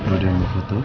udah udah yang ngefoto